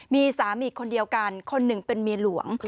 มีสามีคนเดียวกันคนหนึ่งเป็นเมียหลวง